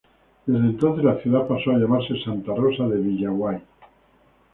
Desde entonces, la ciudad pasó a llamarse Santa Rosa de Villaguay.